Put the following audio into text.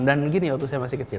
dan gini waktu saya masih kecil